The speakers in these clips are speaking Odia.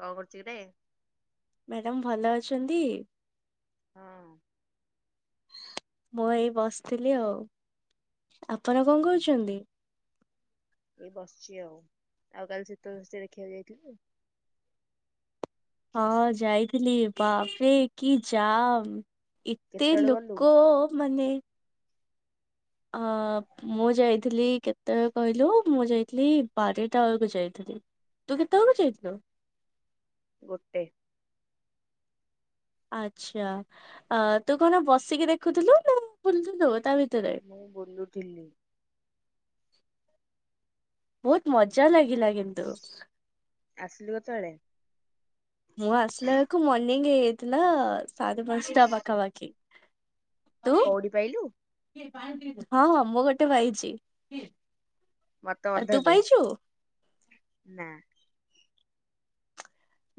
କଁ କରୁଚି ରେ? ମ୍ୟାଡ଼ାମ ଭଲ ଅଛନ୍ତି? ହଁ। ମୁଁ ଏଇ ବସିଥିଲି ଆଉ। ଆପଣ କଁ କହୁଛନ୍ଦି? ଏଇ ବସିଚି ଆଉ ଆଉ କାଲି ଶୀତ ଧୋସେ ଦେଖିବାକୁ ଯାଇଥିଲୁ? ହଁ ଯାଇଥିଲି ବାପରେ କି ଯାମ୍। ଏତେ କେତେବେଳେ ଗଲୁ? ଲୋକ ମାନେ ଆଁ ପ୍ ମୁଁ ଯାଇଥିଲି କେତେବେଳେ କହିଲୁ? ମୁଁ ଯାଇଥିଲି ବାରେଟା ବେଳକୁ ଯାଇଥିଲି। ତୁ କେତେବେକୁ ଯାଇଥିଲୁ? ଗୋଟେ। ଆଛା ଆ ତୁ କଣ ବସିକି ଦେଖୁଥିଲୁ ନା ବୁଲଥିଲୁ ତା ଭିତରେ? ମୁଁ ବୁଲୁଥିଲି। ବହୁତ ମଜା ଲାଗିଲା କିନ୍ତୁ। ଆସିଲୁ ଏତେଳେ? ମୁଁ ଆସିଲା ବେଳକୁ ମର୍ଣ୍ଣିିଂ ହେଇଯାଇଥିଲା ସାରେ ପାଞ୍ଚଟା ପାଖାପାଖି। ତୁ? କଉଡି ପାଇଲୁ? ହଁ ମୁଁ ଗୋଟେ ପାଇଚି। ମତେ ଅଧାଦେ ନା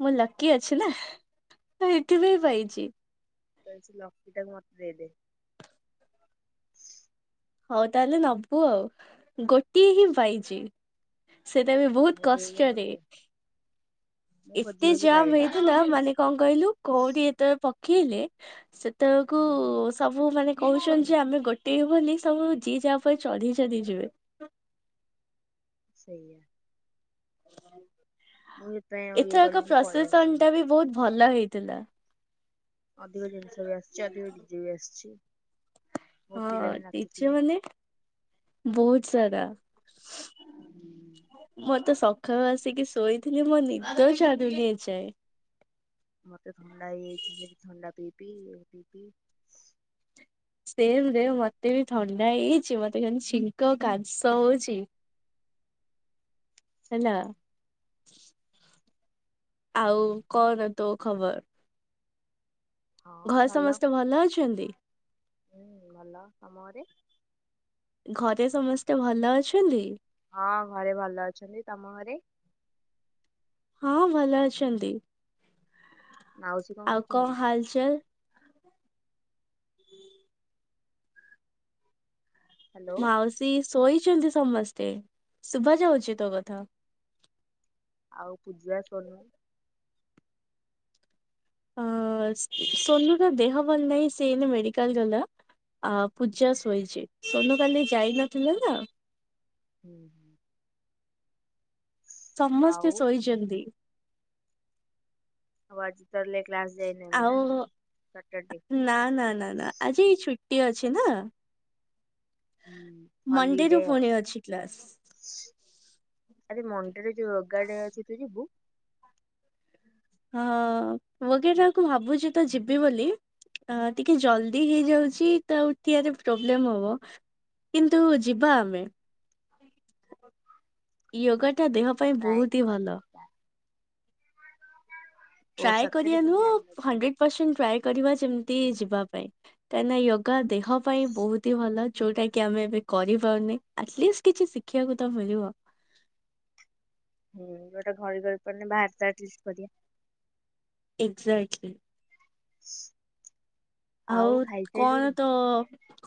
ମୁଁ ଲକି ଅଛି ନା ତ ଏଠି ବି ପାଇଚି। ତାଲସେ ଲକି ଟାକୁ ମତେ ଦେଇଦେ। ହଉ ତାହେଲେ ନବୁ ଆଉ ଗୋଟିଏ ହିଁ ପାଇଚି। ସେଇଟା ବି ହଉ ବହୁତ ଦେଇଦେ କଷ୍ଟରେ। ମତେ। ମୁଁ ଖୋଜି ଏତେ ଖୋଜି ଜମ୍ ପାଇଲିନି। ହେଇଥିଲା ମାନେ କଁ କହିଲୁ କୋଉଡି ଏତେ ପକ୍ ଖୀଲେ ସେତେବେକୁ ସବୁ ମାନେ କହୁଛନ୍ତି ଯେ ଆମେ ଗୋଟେ ବୋଲି ସବୁ ଯିଏ ଯାହା ପଏ ଚଢି ଚଲି ଯିବେ। ସେଇଆ। ମୁଁ ସେଥିପାଇଁ ଆଉ ଇଏ ଏଥରକ କଲିନି ପଳେଇ ପ୍ରସେସନ ଆସିଲି। ଟା ବି ବହୁତ ଭଲ ହେଇଥିଲା। ଅଧିକ ଜିନିଷ ବି ଆସିଚି ଅଧ ଡି ଯେ ବି ଆସିଚି। ବହୁତ ହଁ ପିଲା ବି ଡିଜେ ନାଚୁଥିଲେ। ମାନେ ବହୁତ ସାରା। ମୁଁ ତ ସଖାଳୁ ଆସିକି ଶୋଇଥିଲି ମୋ ନିଦ ଛାଡୁନି ଏଯାଏଁ। ମତେ ଥଣ୍ଡା ହେଇଯାଇଚି ସେଠି ଥଣ୍ଡା ପିଇପିଇ ଏ ପି ପି। ସେମ ରେ ମତେ ବି ଥଣ୍ଡା ହେଇଛି ମତେ କିନ ଛିଙ୍କ କାସ ହଉଚି। ହେଲା। ଆଉ କଣ ତୋ ଖବର? ହଁ ଘଏ ଭଲ ସମସ୍ତେ ଭଲ ଅଛନ୍ତି? ହୁଁ ଭଲ ତମଘରେ? ଘରେ ସମସ୍ତେ ଭଲ ଅଛନ୍ତି? ହଁ ଘରେ ଭଲ ଅଛନ୍ତି ତମ ଘରେ? ହଁ ଭଲ ଅଛନ୍ତି। ମାଉସୀ କଁ ଆଉ କଣ କରୁଚନ୍ତି? ହାଲଚାଲ? ହୁଁ ହ୍ୟାଲୋ ମାଉସୀ ଶୋଇଛନ୍ତି ସମସ୍ତେ ଶୁଭା ଯାଉଛି ତୋ କଥା। ଆଉ ପୂଜା ସୋନୁ ଅ ସୋନୁୁର ଦେହ ଭଲ ନାହିଁ ସେନ ମେଡିକାଲ ଗଲା। ଆ ପୂଜା ଶୋଇଛି ସନକାଲି ଯାଇନଥିଲେ ନା। ହୁଁ। ସମସ୍ତେ ଆଉ ଶୋଇଛନ୍ତି। ଆଉ ଆଜି ତାହେଲେ କ୍ଲାସ୍ ଯାଇନ ଆମେ ଆଉ ନା ସଟରଡେ? ଜି ଛୁ ଛୁଟି ଅଛି ନା ହୁଁ ମଣ୍ଡେରୁୁ ହଲିଡେ ଆଉ। ପୁଣି ଅଛି କ୍ଲାସ। ଆରେ ମଟରେ ଯୋଉ ରୋଗାଡ ଅଛି ତୁ ଯିବୁ ହଁ ବଗେଇଟାକୁ ଭାବୁଛି ତ ଯିବି ବୋଲି। ଅ ଟିକେ ଜଲଦି ହେଇଯାଉଛି ତ ଉଠି ଆରେ ପ୍ରୋବ୍ଲେମ ହବ। କିନ୍ତୁ ଯିବା ଆମେ। ୟୋଗା ଟା ଦେହ ପାଇଁ ଟ୍ରାଏ ବହୁତ ହି ଭଲ। କରିବା। ଓ ଟ୍ରାଏ ସତରେ କରିୟା କି ମୁଁ ନୁହଁ ଜାଣିନଥିଲି ହଣ୍ଡ୍ରେଡ୍ ପର୍ଷେଣ୍ଟ ଟ୍ରାଏ କରିବା ଯେମିତି ଯିବା ପାଇଁ କାଇଁନା ୟୋଗା ଦେହ ପାଇଁ ବହୁତ ହି ଭଲ। ଯୋଉଟା କି ଆମେ ଏବେ କରିପାରୁନି ଆଟଲିଷ୍ଟ କିଛି ଶିଖିୟାକୁ ତ ମିଳିବ। ହୁଁ ଗୋଟେ ଘରେ ରହିପାରୁନି ବାହାରେ ତ ଅଟଲିଷ୍ଟ କରିବା। ଏକ୍ସଜାଟ [inaudible] ଆଉ କଣ ତ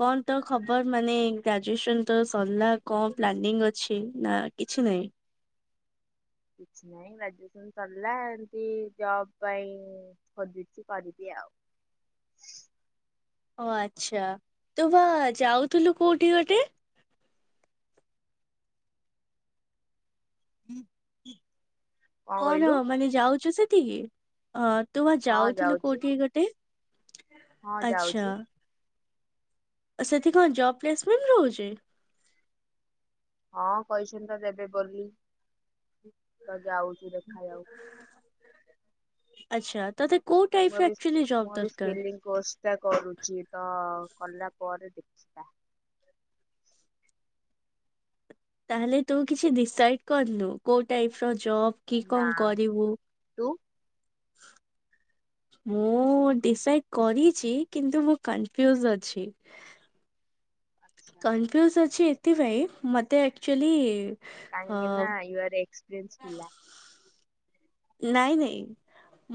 କଣ ତ ଖବର ମାନେ ଗ୍ରାଜୁଏସନ ତ ସରିଲା କଣ ପ୍ଲାନିଂ ଅଛି ନା କିଛି ନାହିଁ? କିଛି ନାହିଁ ଗ୍ରାଜୁଏସନ ସରିଲା ଏମତି ଜବ ପାଇଁ? ଖୋଜୁଛି କରିବି ଆଉ। [inaudible] ଓ ଆଚ୍ଛା ତୁ ବା ଯାଉଥିଲୁ କୋଉଠି ଗୋଟେ? [inaudible] କଣ ମାନେ ଯାଉଛୁ ସେଠିକି ଅ ତୁ ବା ହଁ ଯାଉଥିଲୁ ଯାଉଛି କୋଉଠି ଗୋଟେ? ହଁ ଯାଉଛି। ସେଥି କଁ ଜବ୍ ପ୍ଲେସମେଣ୍ଟ ରହୁଛି? ହଁ କହି ଛନ୍ତି ତ ଦେବେ ବୋଲି ତ ଯାଉଛି ଦେଖାଯାଉ। ଆଛା ତୋତେ କୋଉ ଟାଇଫ୍ ଅକ୍ଚୁଏଲି ଜବ୍ ଦରକାର? କୋର୍ସ୍ ଟା କରୁଛି ତ କଲା ପରେ ଦେଖିବା। ତାହେଲେ ତୁ କିଛି ଡିସାଇଡ କରିନୁ କୋଉ ଟାଇଫ୍ ର ଜବ୍ କି ନା କଣ କରିବୁ? ତୁ? [inaudible] ମୁଁ ଡିସାଇଡ କରିଛି କିନ୍ତୁ ମୁଁ କନଫ୍ୟୁଜ ଅଛି। ଆଛା କନଫ୍ୟୁଜ ଅଛି ଏଥି ପାଇଁ ମତେ ଆକ୍ଚୁଏଲି କାଇଁକିନା ୟୁଆର୍ ଏକ୍ସପେରିଏେନ୍ସ ପିଲା। ନାଇଁ ନାଇଁ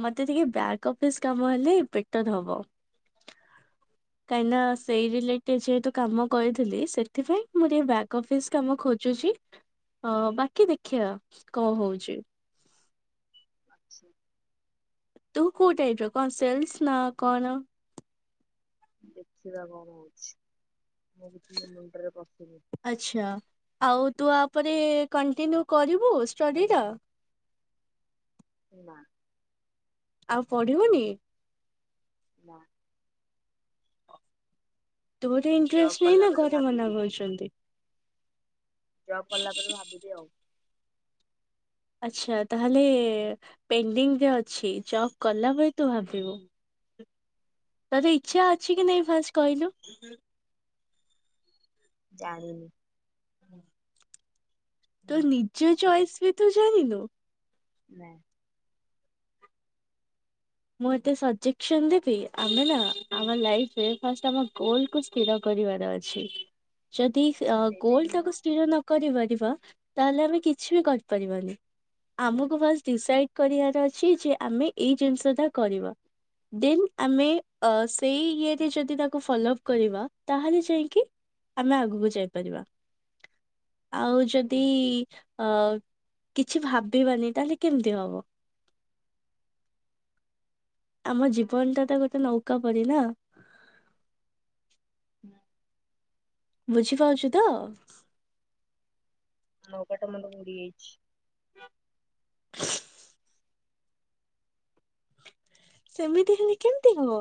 ମତେ ଟିକେ ବ୍ୟାକ୍ ଅଫିସ କାମ ହେଲେ ବେଟର ହବ। କାହିଁନା ସେଇ ରିଲେଟେଡ୍ ଯେହେତୁ କାମ କରିଥିଲି ସେଥିପାଇଁ ମୁଁ ଟିକେ ବ୍ୟାକ୍ ଅଫିସ କାମ ଖୋଜୁଛି। ହ ବାକି ଦେଖିୟା କ ହଉଛି। ଆଛ। ତୁ କୋଉ ଟାଇପ ର କଣ ସେଲସ ନା କଣ? ଦେଖିବା କଣ ହଉଛି ମୁଁ ବି ମ ମୁଣ୍ଡରେ ପଶୁନି। ଆଛା ଆଉ ତୁ ଆପରେ କଣ୍ଟିନ୍ୟୁ କରିବୁ ଷ୍ଟଡି ର? ନା। ଆଉ ପଢିବୁନି? ନା। ତୋର ଜବ୍ ଇଣ୍ଟରେଷ୍ଟ ନାହିଁ କଲା ନା ପରେ ଘରେ ମନା ଭାବିବି କରୁଚନ୍ତି? ଜବ୍ କଲା ପରେ ଭାବିବି ଆଉ। ଆଛା ତାହେଲେ ପେଣ୍ଡିଙ୍ଗ ରେ ଅଛି ଜବ କଲା ପରେ ତୁ ଭାବିବୁ। ତୋର ଇଚ୍ଛା ଅଛି କି ନାହିଁ ଫାଷ୍ଟ୍ କହିଲୁ? ଜାଣିିନି। ତୋ ନିଜ ଚଏସ୍ ବି ତୁ ଜିଣିନୁ? ନା। ମୁଁ ଏତେ ସଜେକ୍ସନ୍ ଦେବି ଆମେ ନା ଆମ ଲାଇଫ୍ ରେ ଫାଷ୍ଟ୍ ଆମ ଗୋଲ୍ କୁ ସ୍ଥିର କରିବାର ଅଛି ଯଦି ସେଇଟା ହିଁ ଅଗୋଲ ମୋର ଟାକୁ ସ୍ଥିର ନ କରିପାରିବା ତାହେଲେ ଆମେ କିଛି ବି କରିପାରିବାନି। ଆମକୁ ବାସ୍ ଡିସାଇଡ କରିବାର ଅଛି ଯେ ଆମେ ଏଇ ଜିନିଷ କରିବା ଦେନ୍ ଆମେ ଅ ସେଇ ଇଏରେ ଯଦି ତା କୁ ଫଲୋଅପ କରିବା ତାହଲେ ଯାଇକି ଆମେ ଆଗୁକୁ ଯାଇପାରିବା। ଆଉ ଯଦି ଅ କିଛି ଭାବିବାନି ତାହେଲେ କେମିତି ହବ? ଆମ ଜୀବନ ଟା ତ ଗୋଟେ ନୌକା ପରି ନା। ନା। ବୁଝିପାରୁଚୁ ତ? ନୌକା ଟା ମାନେ ବୁଡ଼ିଯାଇଛି। ସେମିତି ହେଲେ କେମିତି ହବ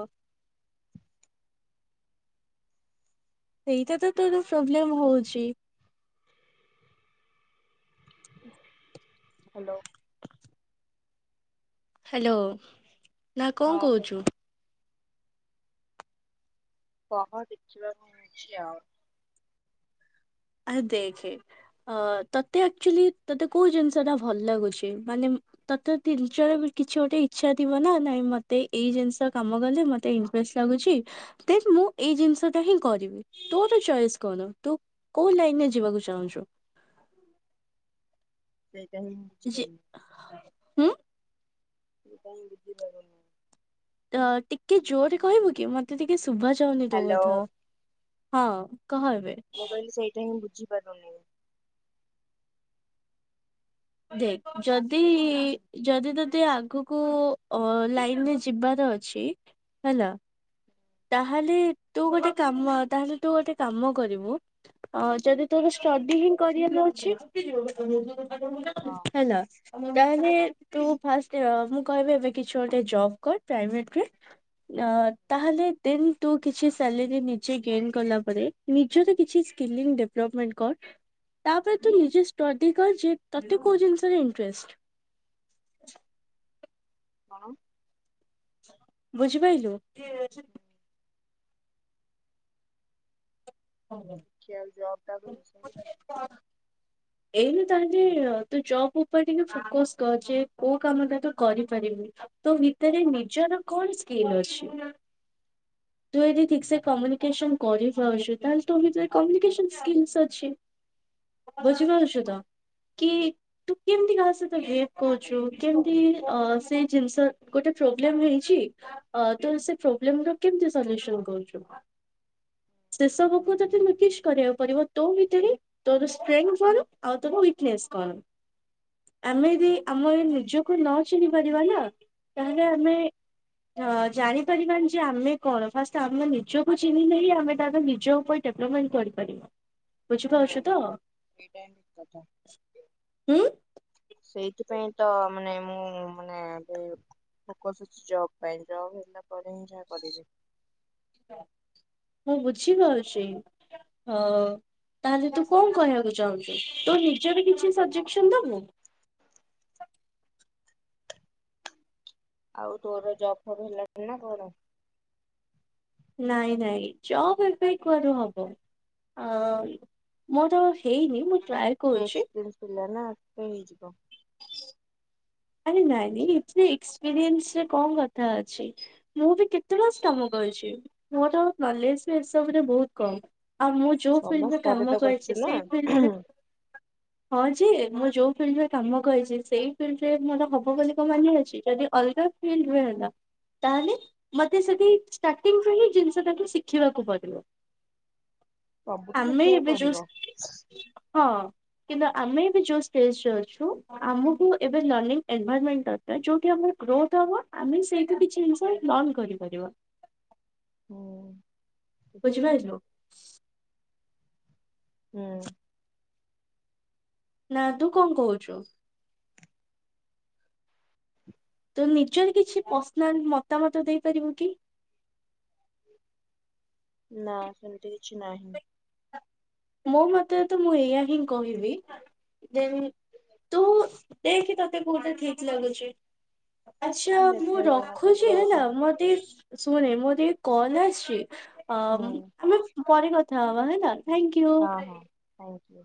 ସେଇଟା ତ ତୋର ପ୍ରୋବ୍ଲେମ ହଉଛି। ହାଲୋ। ହାଲୋ ନା କଣ ହଁ କହ କଉଚୁ? [unintelligible] ଆଉ। ଆ ଦେଖେ ଅ ତତେ ଆକଚୁଆଲି ତତେ କୋଉ ଜିନିଷ ଟା ଭଲ ଲାଗୁଛି ମାନେ ତତେ ତିନି [unintelligible] କିଛି ଗୋଟେ ଇଚ୍ଛା ଥିବ ନା ନାଇଁ ମତେ ଏଇ ଜିନିଷ କାମ କଲେ ମତେ ଫ୍ରେସ୍ ଲାଗୁଛି ଦେନ୍ ମୁଁ ଏଇ ଜିନିଷଟା ହିଁ କରିବି ତୋର ଚଏସ୍ କଣ? ତୁ କୋଉ ଲାଇନ ରେ ଯିବାକୁ ଚାହୁଁଚୁ? ସେଇଟା ହିଁ ଯେ ବୁଝିପାରୁନି। ହୁଁ ସେଇଟା ହିଁ ବୁଝିପାରୁନି। ତ ଟିକେ ଜୋରେ କହିବୁ କି ମତେ ଟିକେ ଶୁଭା ଯାଉନି ତୋ ହ୍ୟାଲୋ କଥା। ହଁ କହ ଏବେ। ମୁଁ କହିଲି ସେଇଟା ହିଁ ବୁଝିପାରୁନି। ଦେଖ ଯଦି ଯଦି ତତେ ଆଗୁକୁ ଅ ଲାଇନରେ ଯିବାର ଅ ଛି ହେଲା ତାହେଲେ ତୁ ଗୋଟେ କାମ ତାହେଲେ ତୁ ଗୋଟେ କାମ କରିବୁ ଅ ଯଦି ତୋର ଷ୍ଟଡି ହିଁ କରିବାର ଅଛି ହଁ। ହେଲା ତାହେଲେ ତୁ ଫାଷ୍ଟ ର କହିବେ ଏବେ କିଛି ଗୋଟେ ଜବ୍ କର ପ୍ରାଇଭେଟ ରେ ଅ ତାହେଲେ ଦେନ୍ ତୁ କିଛି ସାଲେରି ନିଜେ ଗେନ୍ କଲା ପରେ ନିଜର କିଛି ସ୍କିଲିଂ ଡେଭଲପମେଣ୍ଟ କର୍। ତାପରେ ତୁ ନିଜେ ଷ୍ଟଡି କର ଯେ ତତେ କୋଉ ଜିନିଷରେ ଇଣ୍ଟ୍ରେଷ୍ଟ୍। ହଁ। ବୁଝିପାଇଲୁ? ଦେଖିଆ ଜବ ଟା ବି ମିଳୁଚି କି ନାଇଁ। ହଁ ଏଇ ଭିତରେ ବି ତୁ ଜବ୍ ଉପରେ ଟିକେ ଫୋକସ୍ କର ଯେ କୋଉ କାମ ଟା ତୁ କରିପାରିବୁ। ତୋ ଭିତରେ ନିଜର କଣ ସ୍କିଲ୍ ଅଛି? ତୁ ଯଦି ଠିକ୍ ସେ କମ୍ୟୁନିକେସନ କରିପାରୁଛୁ ତାହେଲେ ତୋ ଭିତରେ କମ୍ୟୁନିକେସନ ସ୍କିଲସ୍ ଅଛି। ବୁଝିପାରୁଚୁ ତ? କି ତୁ କେମିତି କାହା ସହିତ ବିହେବ କରୁଛୁ କେମିତି ଅ ସେ ଜିନିଷ ଗୋଟେ ପ୍ରୋବ୍ଲେମ ହେଇଛି, ଅ ତ ସେ ପ୍ରୋବ୍ଲେମ ର କେମିତି ସଜେଶନ କହୁଛୁ? ସେ ସବୁକୁ ତତେ ନୋଟିସ କରିବାକୁ ପଡ଼ିବ ତୋ ଭିତରେ ତୋର ସ୍ଟ୍ରେନ୍ଥ କଣ ଆଉ ତୋର ୱିକନେସ୍ କଣ? ଆମେ ଯଦି, ଆମେ ଏ ନିଜକୁ ନ ଚିହ୍ନି ପାରିବା ନା ତାହେଲେ ଆମେ ତ ଜାଣିପାରିବାନି ଯେ ଆମେ କଣ, ଫାଷ୍ଟ ଆମେ ନିଜକୁ ଚିହ୍ନିଲେ ହିଁ ଆମେ ତା ନିଜ ଉପରେ ଡେଭଲପମେଣ୍ଟ କରିପାରିବା। ବୁଝିପାରୁଛୁ ତ୍, ଠିକ୍ କଥା। ହୁଁ? ସେଇଥିପାଇଁ ତ ମାନେ ମୁଁ ମାନେ ଏ ଫୋକସ୍ ଅଛି ଜବ୍ ପାଇଁ, ଜବ୍ ହେଲା ପରେ ହିଁ ଯାହା କରିବି। ହଁ ବୁଝିପାରୁଛି, ହଁ। ତାହେଲେ ତୁ କଣ କହିବାକୁ ଚାହୁଁଛୁ, ତୁ ନିଜର କିଛି ସଜେସନ୍ ଦବୁ। ଆଉ ତୋର ଜବ୍ ଫବ୍ ହେଲାଣି ନା କଣ? ନାଇଁ ନାଇଁ ଜବ ଏବେ କୁଆଡୁ ହବ? ଆ ମୋର ହେ, ମୁଁ ଟ୍ରାଏ କରୁଛି। ଏକ୍ସପିରିଏନ୍ସ ପିଲା ନା ଆପେ ହେଇଯିବ। ଆରେ ନାଇଁ ନାଇଁ, ଏଥିରେ ଏକ୍ସପିରିଏନସରେ କଣ କଥା ଅଛି? ମୁଁ ବି କେତେ ମାସ କାମ କରିଛି? ମୋର ନଲେଜ ଏସବୁରେ ବହୁତ କମ, ଆଉ ମୁଁ ଯୋଉ ଛଅ ମାସ ଫିଲ୍ଡରେ ପରେ କାମ ତ କରୁଛୁ କରିଛି, ନା ସେଇ ଫିଲ୍ଡରେ ହଁ ଯେ ମୁଁ ଯୋଉ ଫିଲ୍ଡରେ କାମ କରିଛି, ସେଇ ଫିଲ୍ଡ ରେ ମୋର ହବ ବୋଲି କଣ ମାନେ ଅଛି, ଯଦି ଅଲଗା ଫିଲ୍ଡ ରେ ହେଲା। ତାହେଲେ ମତେ ସେଠି ଷ୍ଟାର୍ଟିଙ୍ଗରୁ ହିଁ ଜିନିଷଟାକୁ ଶିଖିବାକୁ ପଡିବ। ସବୁଠି ଆମେ ଶିଖିବାକୁ ଏବେ ଯଉ ପଡିବ। ହଁ କିମ୍ବା ଆମେ ଏବେ ଯୋଉ ଷ୍ଟେଜରେ ଅଛୁ ଆମକୁ ଏବେ ଲର୍ଣ୍ଣିଙ୍ଗ ଏନଭରମେଣ୍ଟ ଦରକାର୍, ଯଉଠି ଆମର ଗ୍ରୋଥ ହବ ଆମେ ସେଇଠୁ କିଛି ଜିନିଷ ଲର୍ଣ କରିପାରିବା। ହୋ ବୁଝିପାରିଲୁ? ହୁଁ ନା ତୁ କଣ କହୁଛୁ? ତୁ ନିଜର କିଛି ପର୍ସନାଲ ମତାମତ ଦେଇପାରିବୁ କି? ନା ସେମିତି କିଛି ନାହିଁ। ମୋ ମତରେ ତ ମୁଁ ଏଇଆ ହିଁ କହିବି ଯେ ତୁ ଦେଖ ତତେ କୋଉଟା ଠିକ ଲାଗୁଛି। ଆଛା ମୁଁ ଦେଖାଯାଉ ଆଗ ରଖୁଛି ଜବ୍ ହେଲା, ମୋର ଟିକେ ଶୁଣେ ମୋର ଟିକେ କଲ ଆସିଛି, ଆ ହୁଁ ଆମେ ପରେ କଥା ହବା ହେଲା, ଥାଙ୍କ୍ୟୋ। ଅ ହ ହଉ।